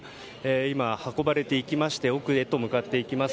今、運ばれていきまして奥へと向かっていきます。